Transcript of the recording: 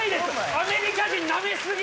アメリカ人なめすぎ！